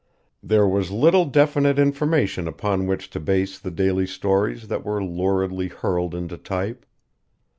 There was little definite information upon which to base the daily stories that were luridly hurled into type.